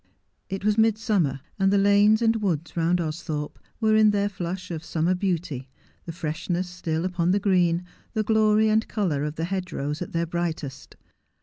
It was midsummer, and the lanes and woods round Austhorpe were in their flush of summer beauty, the freshness still upon the green, the glory and colour of the hedgerows at their bright est.